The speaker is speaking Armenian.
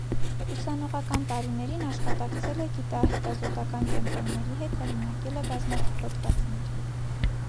Ուսանողական տարիներին աշխատակցել է գիտակահետազոտական կենտրոնների հետ, հեղինակել է բազմաթիվ հոդվածներ։